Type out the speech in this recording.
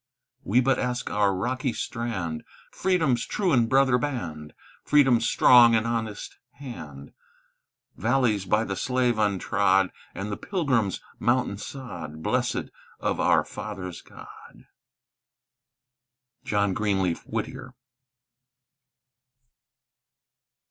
"We but ask our rocky strand, Freedom's true and brother band, Freedom's strong and honest hand; "Valleys by the slave untrod, And the Pilgrim's mountain sod, Blessèd of our fathers' God!" JOHN GREENLEAF WHITTIER.